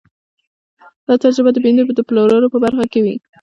دا تجربې د بيمې د پلورلو په برخه کې وې.